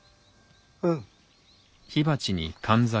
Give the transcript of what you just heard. うん。